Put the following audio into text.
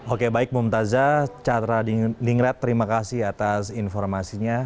oke baik bumtaza catra dingret terima kasih atas informasinya